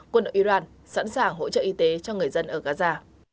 quân đội iran sẵn sàng hỗ trợ y tế cho người dân ở gaza